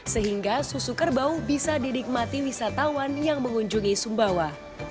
sehingga susu kerbau bisa didikmati wisatawan yang mengunjungi sumbawa